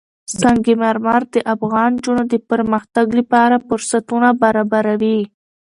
سنگ مرمر د افغان نجونو د پرمختګ لپاره فرصتونه برابروي.